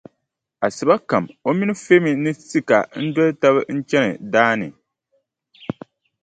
Asiba kam o mini Femi ni Sika n-doli taba n-chani daa ni.